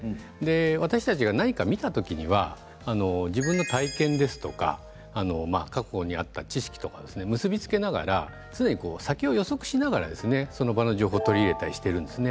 私たちが何か見た時には自分の体験ですとか過去にあった知識とか結び付けながらつい先を予測しながらその場の情報を取り入れたりしているんですね。